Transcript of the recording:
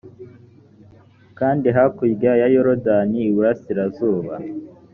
kandi hakurya ya yorodani iburasirazuba